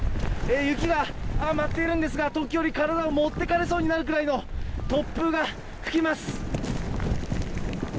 雪が舞っているんですが、時折、体をもっていかれそうになるくらいの突風が吹きます。